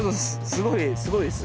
すごいすごいです